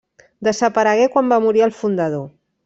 Desaparegué quan va morir el fundador.